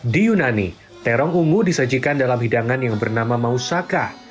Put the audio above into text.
di yunani terong ungu disajikan dalam hidangan yang bernama mausaka